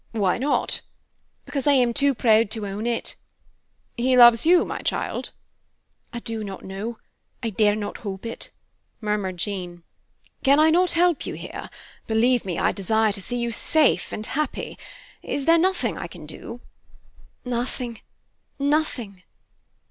"Why not?" "Because I am too proud to own it." "He loves you, my child?" "I do not know I dare not hope it," murmured Jean. "Can I not help you here? Believe me, I desire to see you safe and happy. Is there nothing I can do?" "Nothing, nothing."